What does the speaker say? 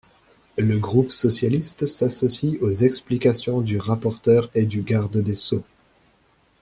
Le groupe socialiste s’associe aux explications du rapporteur et du garde des sceaux.